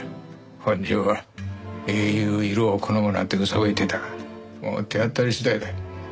本人は「英雄色を好む」なんてうそぶいてたがもう手当たり次第で。